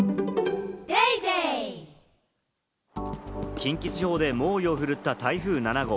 近畿地方で猛威を振るった台風７号。